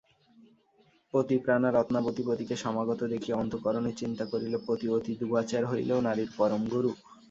পতিপ্রাণা রত্নাবতী পতিকে সমাগত দেখিয়া অন্তঃকরণে চিন্তা করিল পতি অতিদুবাচার হইলেও নারীর পরম গুরু।